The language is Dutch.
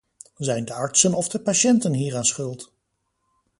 Zijn de artsen of de patiënten hieraan schuld?